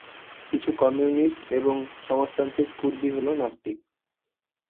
কিছু কমিউনিস্ট এবং সমাজতান্ত্রিক কুর্দি হলো নাস্তিক।